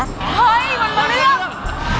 เฮ้ยวันมะเรื่อง